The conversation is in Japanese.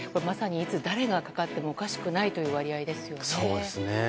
まさに、いつ誰がかかってもおかしくないという割合ですよね。